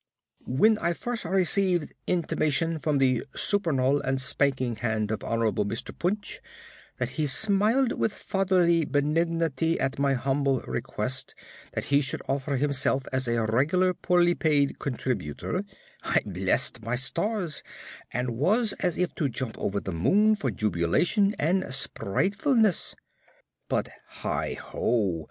_ When I first received intimation from the supernal and spanking hand of Hon'ble Mr Punch, that he smiled with fatherly benignity at my humble request that he should offer myself as a regular poorly paid contributor, I blessed my stars and was as if to jump over the moon for jubilation and sprightfulness. But, heigh ho!